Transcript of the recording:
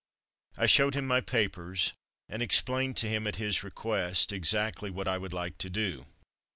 I showed him my papers and ex plained to him at his request exactly what I would like to do.